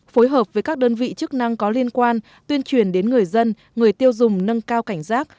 phối hợp với các đơn vị chức năng có liên quan tuyên truyền đến người dân người tiêu dùng nâng cao cảnh giác